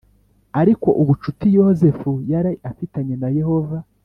Ariko ubucuti Yozefu yari afitanye na Yehova